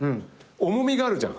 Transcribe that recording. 重みがあるじゃん。